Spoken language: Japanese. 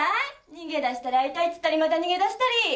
逃げ出したり会いたいっつったりまた逃げ出したり！